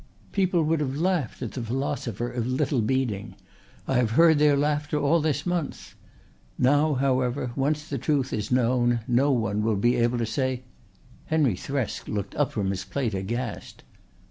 People would have laughed at the philosopher of Little Beeding. I have heard their laughter all this month. Now, however, once the truth is known no one will be able to say " Henry Thresk looked up from his plate aghast.